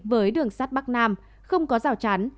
với đường sát bắc nam không có rào chắn